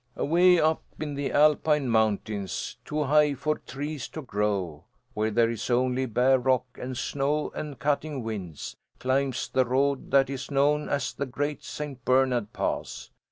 "Away up in the Alpine Mountains, too high for trees to grow, where there is only bare rock and snow and cutting winds, climbs the road that is known as the Great St. Bernard Pass.